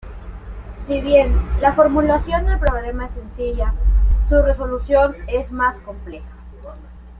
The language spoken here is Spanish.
Si bien la formulación del problema es sencilla, su resolución es más compleja.